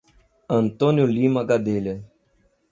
Antônio Lima Gadelha